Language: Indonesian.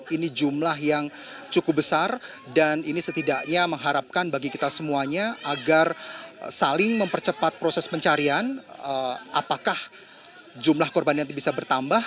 ini jumlah yang cukup besar dan ini setidaknya mengharapkan bagi kita semuanya agar saling mempercepat proses pencarian apakah jumlah korban yang bisa bertambah